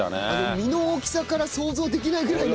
身の大きさから想像できないぐらいのね。